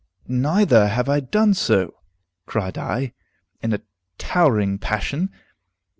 "Neither have I done so," cried I, in a towering passion.